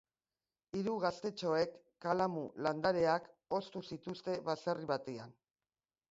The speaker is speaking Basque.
Hiru gaztetxoek kalamu landareak ostu zituzten baserri batean.